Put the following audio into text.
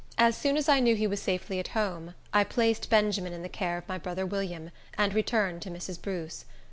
As soon as I knew he was safely at home, I placed Benjamin in the care of my brother William, and returned to Mrs. Bruce.